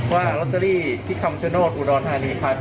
ว่าลอตเตอรี่ที่คำชโนธอุดรธานีพันธุ